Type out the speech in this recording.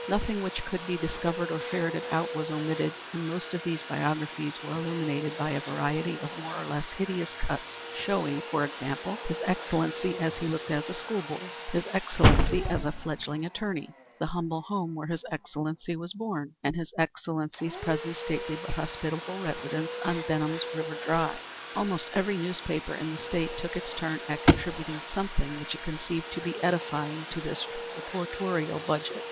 Nothing which could be discovered or ferreted out was omitted; and most of these biographies were illuminated by a variety of more or less hideous cuts showing, for example, his excellency as he looked as a school boy, his excellency as a fledgling attorney, the humble home where his excellency was born, and his excellency's present stately but hospitable residence on Benham's River Drive. Almost every newspaper in the State took its turn at contributing something which it conceived to be edifying to this reportorial budget.